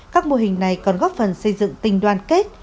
các mô hình này còn góp phần xây dựng tình đoàn kết